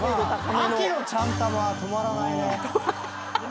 秋のちゃんたまは止まらないね。